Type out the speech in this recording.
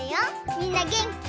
みんなげんき？